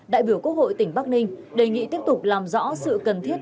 đại biểu quốc hội tỉnh bắc ninh đề nghị tiếp tục làm rõ sự cần thiết